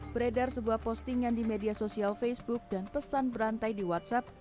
beredar sebuah postingan di media sosial facebook dan pesan berantai di whatsapp